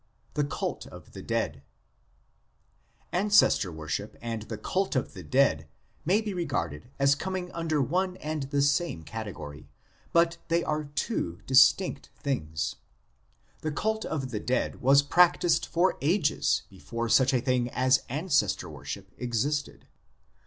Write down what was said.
THE CULT or THE DEAD ANCESTOR WORSHIP and the Cult of the Dead may be regarded as coming under one and the same category, but they are two distinct things. The Cult of the Dead was practised for ages before such a thing as Ancestor worship existed.